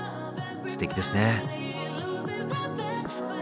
すてきですね。